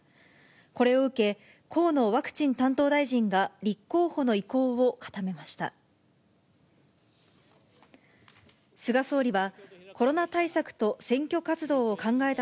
これを受け、河野ワクチン担当大臣が立候補の意向を固めました。